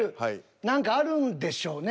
何かあるんでしょうね